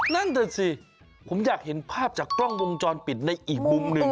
นั่นแหละสิผมอยากเห็นภาพจากกล้องวงจรปิดในอีกมุมหนึ่ง